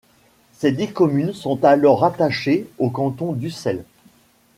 Ses dix communes sont alors rattachées au canton d'Ussel.